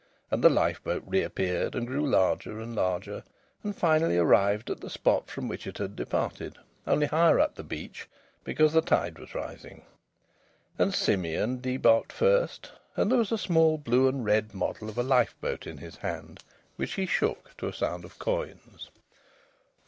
And the lifeboat reappeared and grew larger and larger, and finally arrived at the spot from which it had departed, only higher up the beach because the tide was rising. And Simeon debarked first, and there was a small blue and red model of a lifeboat in his hand, which he shook to a sound of coins.